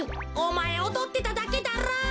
おまえおどってただけだろ？